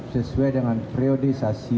sesuai dengan priorisasi